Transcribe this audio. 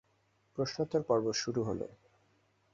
প্রশ্নোত্তর পর্ব শুরু হল।